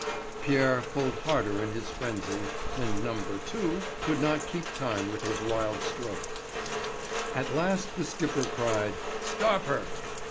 Pierre pulled harder in his frenzy, and "number two" could not keep time with his wild stroke. At last the skipper cried: "Stop her!"